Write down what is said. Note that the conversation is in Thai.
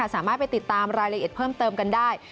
สามารถไปติดตามรายละเอียดเพิ่มเติมกันได้